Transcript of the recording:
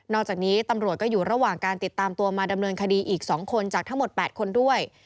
จากนี้ตำรวจก็อยู่ระหว่างการติดตามตัวมาดำเนินคดีอีก๒คนจากทั้งหมด๘คนด้วย